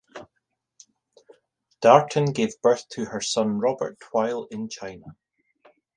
Darton gave birth to her son Robert while in China.